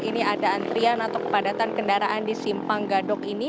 ini ada antrian atau kepadatan kendaraan di simpang gadok ini